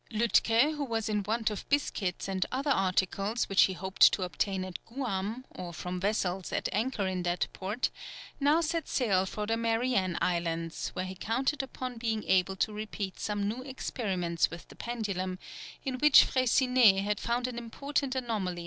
Lütke, who was in want of biscuits and other articles, which he hoped to obtain at Guam, or from vessels at anchor in that port, now set sail for the Marianne Islands, where he counted upon being able to repeat some new experiments with the pendulum, in which Freycinet had found an important anomaly of gravitation.